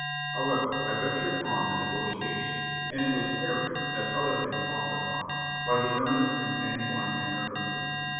However, I ventured on the negotiation, and it was carried, as other things often are, by the earnest and sanguine manner of youth.